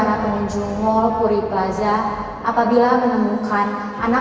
sampai jumpa di video selanjutnya